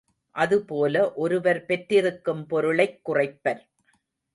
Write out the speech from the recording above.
அதுபோல ஒருவர் பெற்றிருக்கும் பொருளைக் குறைப்பர்.